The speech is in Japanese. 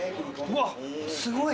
うわっすごい。